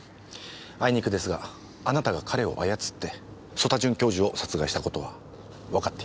あいにくですがあなたが彼を操って曽田准教授を殺害したことはわかっています。